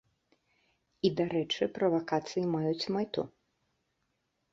І, дарэчы, правакацыі маюць мэту.